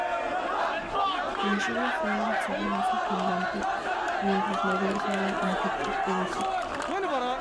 Las lluvias suelen ser más abundantes mientras mayor sea la altitud de un sitio.